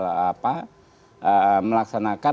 melaksanakan apa yang sudah kita lakukan